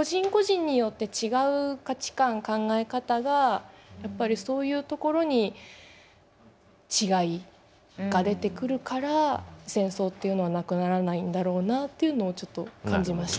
だからそういうやっぱりそういうところに違いが出てくるから戦争っていうのはなくならないんだろうなっていうのをちょっと感じました。